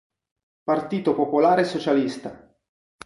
Partito Popolare Socialista